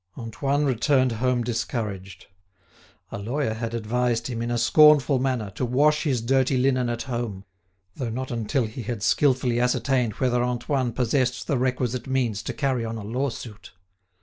Antoine returned home discouraged. A lawyer had advised him, in a scornful manner, to wash his dirty linen at home, though not until he had skilfully ascertained whether Antoine possessed the requisite means to carry on a lawsuit.